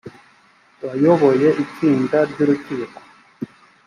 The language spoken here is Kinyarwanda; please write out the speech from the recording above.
wayoboye itsinda ry urukiko